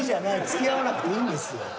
つきあわなくていいんですよ。